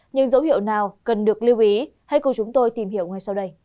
những dấu hiệu nào cần được lưu ý hãy cùng chúng tôi tìm hiểu ngay sau đây